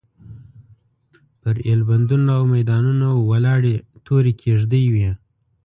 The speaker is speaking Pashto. پر ایلبندونو او میدانونو ولاړې تورې کېږدۍ وې.